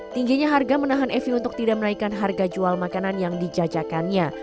tingginya harga menahan evi untuk tidak menaikkan harga jual makanan yang dijajakannya